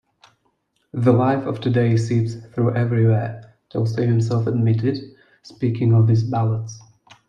"The life of today seeps through everywhere," Tolstoy himself admitted, speaking of his ballads.